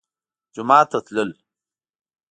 جومات ته تلل